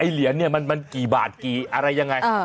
เหลียนกี่บาทกี่อะไรยังไง